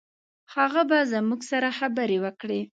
هغه به زموږ سره خبرې وکړي.